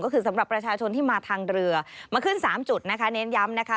ก็คือสำหรับประชาชนที่มาทางเรือมาขึ้น๓จุดนะคะเน้นย้ำนะคะ